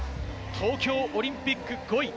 東京オリンピック５位。